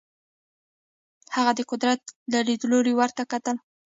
هغه د قدرت له لیدلوري ورته وکتل.